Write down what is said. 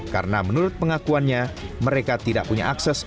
karena menurut pengakuannya mereka tidak punya akses